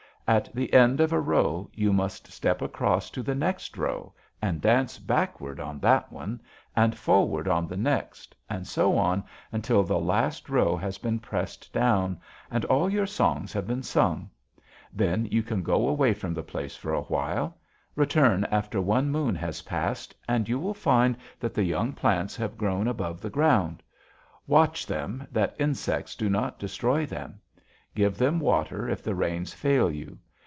At the end of a row you must step across to the next row, and dance backward on that one, and forward on the next, and so on until the last row has been pressed down, and all your songs have been sung. Then you can go away from the place for a time. Return after one moon has passed, and you will find that the young plants have grown above the ground. Watch them, that insects do not destroy them. Give them water if the rains fail you.